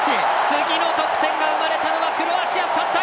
次の得点が生まれたのはクロアチア、３対１！